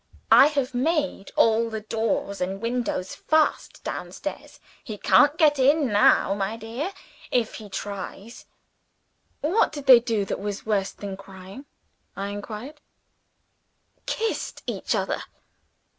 "I have made all the doors and windows fast, downstairs; he can't get in now, my dear, if he tries." "What did they do that was worse than crying?" I inquired. "Kissed each other!"